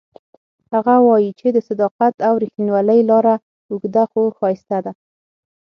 هغه وایي چې د صداقت او ریښتینولۍ لاره اوږده خو ښایسته ده